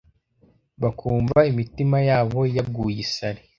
bakumva imitima yabo yaguye isari